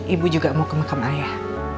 ibu juga mau ke makam ayah